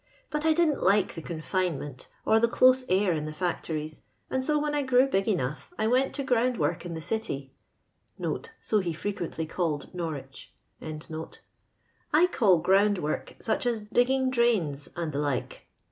Bat / didn't like the coHjiMefmemt or the eioie mir m the fadorieg, and so, when I grew big enough, I went to ground work in the city (so he fine quently called Norwich) ; I call ground work such as digging drains and the like.